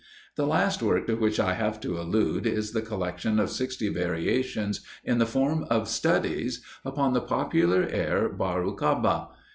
The last work to which I have to allude is the collection of sixty variations, in the form of studies, upon the popular air "Barucaba."